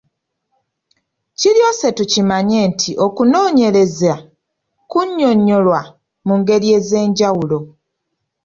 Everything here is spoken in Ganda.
Kiryose tukimanye nti okunoonyereza kunnyonnyolwa mu ngeri ez’enjawulo.